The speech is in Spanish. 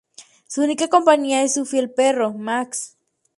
Su única compañía es su fiel perro, Max.